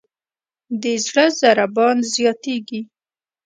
د زړه ضربان زیاتېږي.